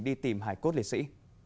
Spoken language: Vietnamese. đi tìm hải cốt liệt sĩ